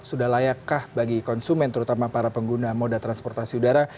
sudah layakkah bagi konsumen terutama para pengguna moda transportasi udara